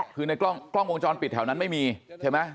คือในกล้องวงจรปิดแถวนั้นไม่มีใช่ไหม